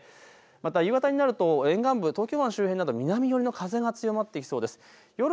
また夕方になると沿岸部、東京湾周辺など南寄りの風が強まってきそうです。